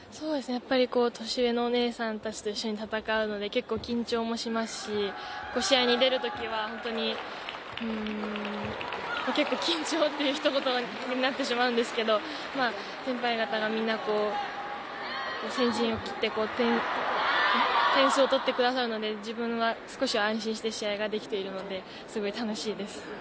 年上のお姉さんたちと戦うので結構緊張もしますし試合に出るときは結構緊張というひと言になってしまうんですけど先輩方がみんな先陣を切って点数を取ってくださるので、自分は少しは安心して試合ができているので、すごい楽しいです。